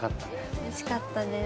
おいしかったです